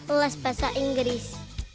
ulas bahasa inggris